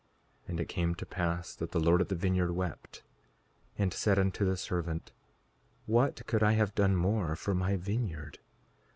5:41 And it came to pass that the Lord of the vineyard wept, and said unto the servant: What could I have done more for my vineyard?